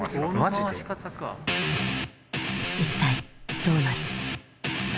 一体どうなる。